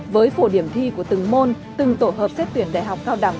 với phổ điểm thi của từng môn từng tổ hợp xét tuyển đại học cao đẳng